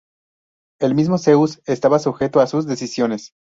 El mismo Zeus estaba sujeto a sus decisiones.